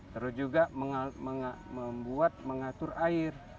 terus juga membuat mengatur air